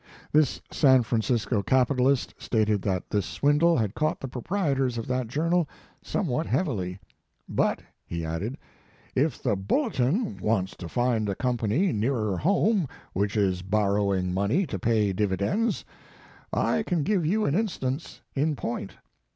This San Francisco capitalist stated that this swindle had caught the proprietors of that journal somewhat heavily. "But," he added, "if the Bulletin wants to find a company nearer home which is borrow ing money to pay dividends, I can give you an instance in point.